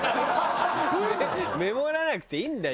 メモらなくていいんだよ。